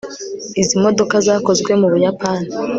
Izi modoka zakozwe mu Buyapani